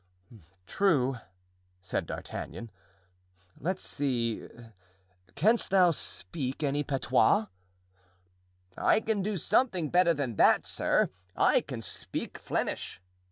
"True," said D'Artagnan. "Let's see. Canst thou speak any patois?" "I can do something better than that, sir, I can speak Flemish."